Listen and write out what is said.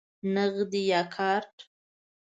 نغدی یا کارت؟